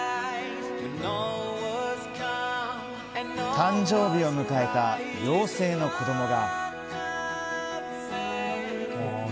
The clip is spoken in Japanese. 誕生日を迎えた妖精の子供が。